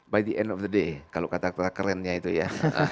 by the end of the day kalau kata kata kerennya itu ya